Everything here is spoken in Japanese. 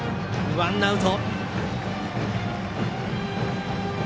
ワンアウト。